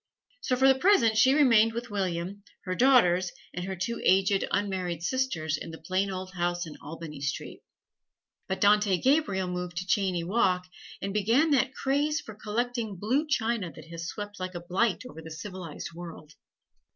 So for the present she remained with William, her daughters, and her two aged unmarried sisters in the plain old house in Albany Street. But Dante Gabriel moved to Cheyne Walk, and began that craze for collecting blue china that has swept like a blight over the civilized world.